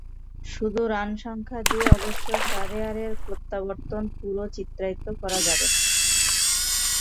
শুধু রানসংখ্যা দিয়ে অবশ্য শাহরিয়ারের প্রত্যাবর্তন পুরো চিত্রায়িত করা যাবে না।